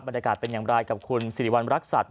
บรรยากาศเป็นอย่างไรกับคุณสิริวัณรักษัตริย